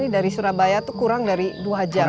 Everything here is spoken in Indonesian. dari surabaya itu kurang dari dua jam